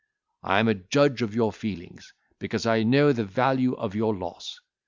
I am a judge of your feelings, because I know the value of your loss.